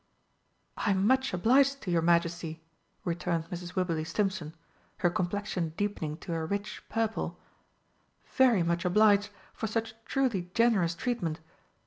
"I am much obliged to your Majesty," returned Mrs. Wibberley Stimpson, her complexion deepening to a rich purple, "very much obliged for such truly generous treatment!